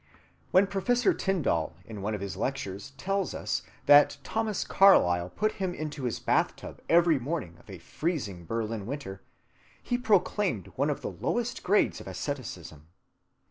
When Professor Tyndall in one of his lectures tells us that Thomas Carlyle put him into his bath‐tub every morning of a freezing Berlin winter, he proclaimed one of the lowest grades of asceticism.